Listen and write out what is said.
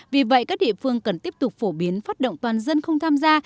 vì vậy các địa phương cần tiếp tục phổ biến phát động toàn dân không tham gia